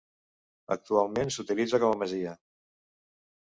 Actualment s'utilitza com a masia.